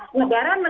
karena di triwunnya